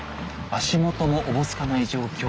足元もおぼつかない状況。